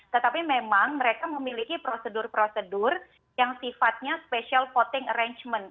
tetapi memang mereka memiliki prosedur prosedur yang sifatnya special voting arrangement